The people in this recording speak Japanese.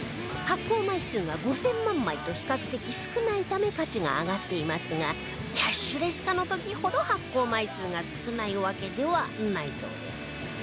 発行枚数が５０００万枚と比較的少ないため価値が上がっていますがキャッシュレス化の時ほど発行枚数が少ないわけではないそうです